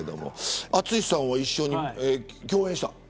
淳さんは一緒に共演した。